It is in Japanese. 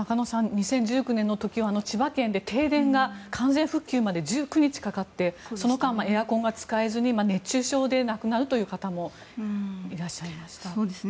２０１９年の時は千葉県で停電の完全復旧まで１９日かかってその間、エアコンが使えずに熱中症で亡くなるという方もいらっしゃいました。